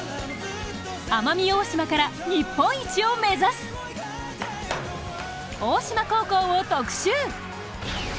奄美大島から日本一を目指す大島高校を特集。